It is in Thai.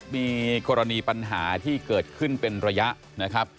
มีกรณีปัญหาที่เกิดขึ้นเป็นระยะนะครับ